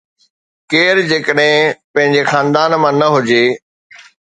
ڪير جيڪڏهن پنهنجي خاندان مان نه هجي.